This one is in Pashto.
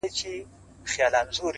اصول او مقررات عملي کېږي